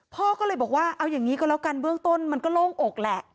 พ่อก็เลยบอกว่าเอาอย่างนี้ก็แล้วกันเบื้องต้นมันก็โล่งอกแหละ